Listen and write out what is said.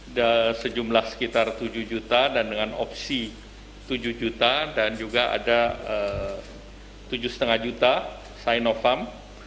ada sejumlah sekitar tujuh juta dan dengan opsi tujuh juta dan juga ada tujuh lima juta sinovac